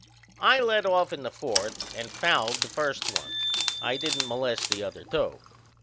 I led off in the fourth and fouled the first one. I didn't molest the other two.